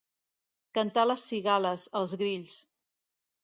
Cantar les cigales, els grills.